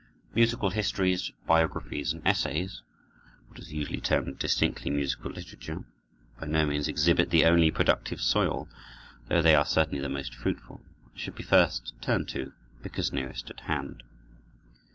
Musical histories, biographies, and essays—what is usually termed distinctly musical literature—by no means exhibit the only productive soil, though they are certainly the most fruitful, and should be first turned to, because nearest at hand.